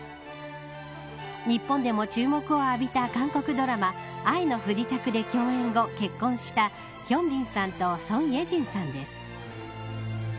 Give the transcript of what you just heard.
日本でも注目を浴びた韓国ドラマ愛の不時着で共演後、結婚したヒョンビンさんとソン・イェジンさんです。